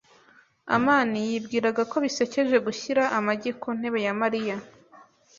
amani yibwiraga ko bisekeje gushyira amagi ku ntebe ya Mariya.